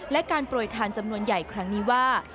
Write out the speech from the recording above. และการโปรยทานจำนวนใหญ่ครั้งนี้ว่า